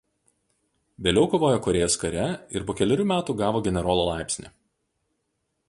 Vėliau kovojo Korėjos kare ir po kelerių metų gavo generolo laipsnį.